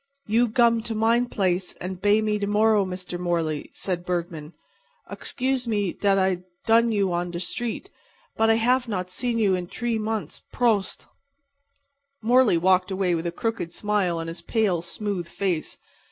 "You gum to mine blace and bay me to morrow, Mr. Morley," said Bergman. "Oxcuse me dat I dun you on der street. But I haf not seen you in dree mont'. Pros't!" Morley walked away with a crooked smile on his pale, smooth face.